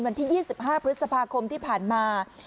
วันที่๒๕พฤษภาคมที่ผ่านมา